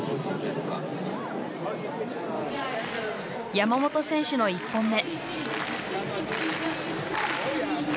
山本選手の１本目。